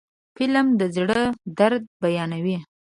فلم د زړه درد بیانوي